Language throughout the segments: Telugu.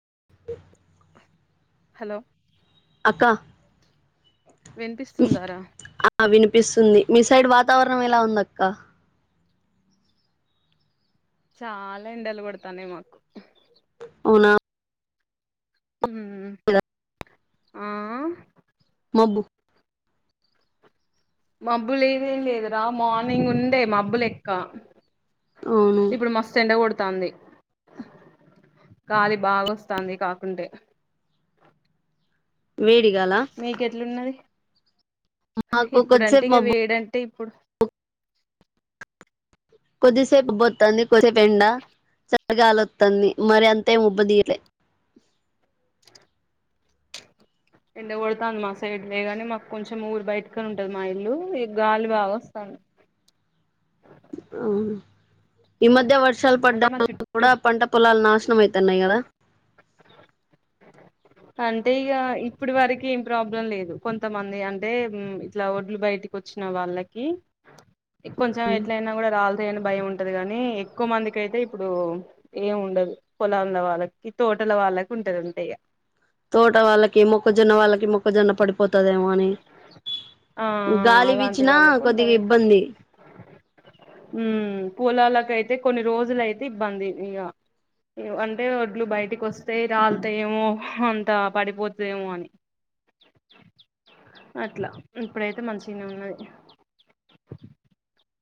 [inaudible] హలో అక్క ఈ వినిపిస్తుందారా ఆ వినిపిస్తుంది మీ సైడ్ వాతవరణం ఎలా ఉందక్క చాలా ఎండలు కొడతాన్నాయి మాకు అవునా ఉమ్ ఆ అబ్బో మబ్బులేదు ఏం లేదురా మార్నింగ్ ఉండే మబ్బులెక్క అవును ఇప్పుడు మస్తు ఎండ కొడుతాంది గాలి బాగొస్తోందికాకుంటే వేడిగాల మీకు ఎట్లున్నది మాకు ఇప్పుడంటే కొద్దిసేపు ఇక మబ్బు వేడంటే ఇప్పుడు కొద్దిసేపు మబ్బోత్తంది కొద్దిసేపు ఎండ చల్లగాలి వత్తంది మరీ అంతేమి ఉబ్బదియ్యాలే ఎండ కొడతాంది మా సైడ్ లేగాని మాకు కొంచెం ఊరు బయటకని ఉంటది మా ఇల్లు గాలి బాగా వస్తాంది [inaudible] ఆ ఈ మధ్య వర్షాలు అంటే పడ్డం మా వల్ల చుట్టూ కూడా పంట పొలాలు నాశనం అయి తన్నయి కదా అంటే ఇగ ఇప్పుడు వరకి ఏం ప్రాబ్లం లేదు కొంతమంది అంటే ఇట్లా ఒడ్లు బయ బయటికి వచ్చిన వాళ్లకి కొంచెం ఎట్లా అయినా రాల్ తయని భయం ఉంటది గాని ఎక్కువ మందికి అయితే ఇప్పుడు ఏం ఉండదు పొలం ఉన్న వాళ్ళకి తోటల వాళ్ళకి ఉంటది అంతే ఇగ తోట వాళ్ళకి మొక్కజొన్న వాళ్ళకి మొక్కజొన్న పడిపోతుదేమో అని ఆ గాలి అలాంటి వీచ్చినా కొద్దిగా ఇబ్బంది ఉమ్మ్ పూలాలకయితే కొన్ని రోజులయితే ఇబ్బంది ఇగ అంటే ఒడ్లు బయటికి వస్తే రాల్త ఏమో అంత పడిపోద్దెమో అని అట్లా ఇప్పుడైతే మంచిగానే ఉన్నది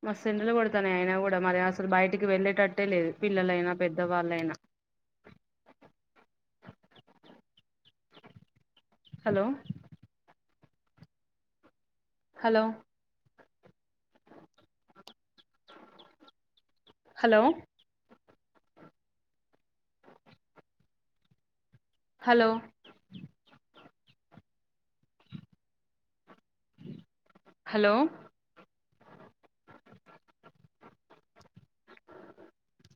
మస్తు ఎండలు కొడతనై అయినా కూడా మరి అసలు బయటికి వెళ్ళేటట్టే లేదు పిల్లలైనా పెద్దవాళ్ళైనా hello hello hello hello hello అ [inaudible]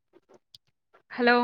హలో